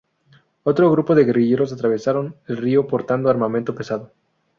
Otro grupo de guerrilleros atravesaron el río portando armamento pesado.